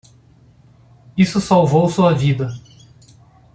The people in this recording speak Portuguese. Isso salvou sua vida.